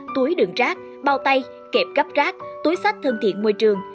túi đường trác bao tay kẹp gấp rác túi sách thân thiện môi trường